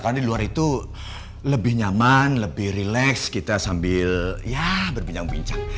karena di luar itu lebih nyaman lebih relax kita sambil ya berbincang bincang